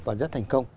và rất thành công